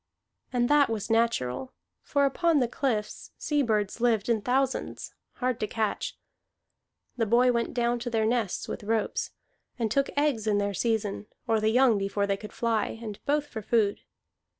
And that was natural, for upon the cliffs sea birds lived in thousands, hard to catch. The boy went down to their nests with ropes, and took eggs in their season, or the young before they could fly, and both for food.